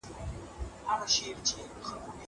زه هره ورځ کالي وچوم!